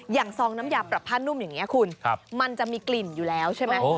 ซองน้ำยาปรับผ้านุ่มอย่างนี้คุณมันจะมีกลิ่นอยู่แล้วใช่ไหม